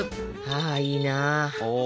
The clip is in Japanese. ああいいなあ。